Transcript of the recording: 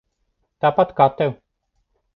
Tāpat kā tev.